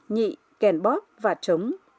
nhị kèn bóp và trống